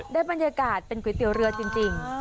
ได้บรรยากาศเป็นก๋วยเตี๋ยวเรือจริง